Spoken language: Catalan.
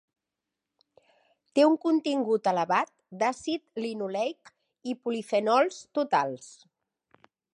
Té un contingut elevat d'àcid linoleic i polifenols totals.